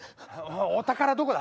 お宝どこだ？